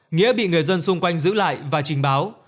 nghĩa bị người dân xung quanh giữ lại và trình báo